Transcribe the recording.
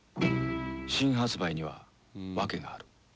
新発売には訳がある。